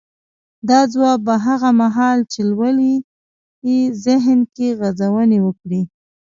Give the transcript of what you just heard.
دا ځواب به هغه مهال چې لولئ يې ذهن کې غځونې وکړي.